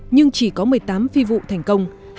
nhưng chỉ có một mươi tám phi vụ thành công